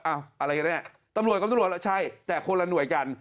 อ้าวอะไรกันเนี่ยตำรวจกับตำรวจใช่แต่คนละหน่วยกัน